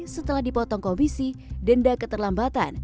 setelah dipotong komisi denda keterlambatan